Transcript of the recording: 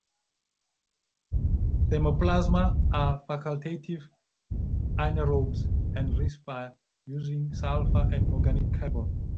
"Thermoplasma" are facultative anaerobes and respire using sulfur and organic carbon.